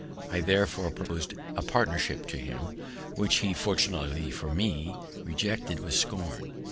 I therefore propos'd a partnership to him, which he, fortunately for me, rejected with scorn.